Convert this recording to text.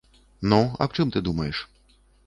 Ну, аб чым думаеш?